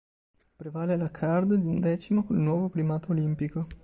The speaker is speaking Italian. Prevale la Caird di un decimo con il nuovo primato olimpico.